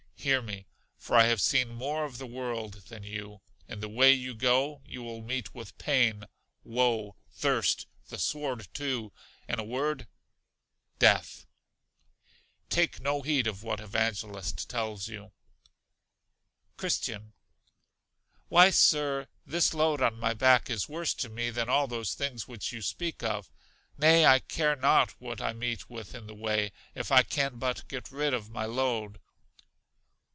Hear me, for I have seen more of the world than you; in the way you go, you will meet with pain, woe, thirst, the sword too, in a word, death! Take no heed of what Evangelist tells you. Christian. Why, Sir, this load on my back is worse to me than all those things which you speak of; nay, I care not what I meet with in the way, if I can but get rid of my load.